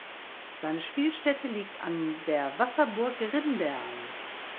Seine Spielstätte liegt an der Wasserburg Rindern.